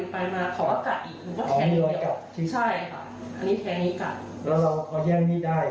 ฉะนั้นหนูก็ไม่ได้นับด้วยว่ากี่ครั้ง